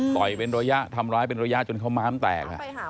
ยเป็นระยะทำร้ายเป็นระยะจนเขาม้ามแตก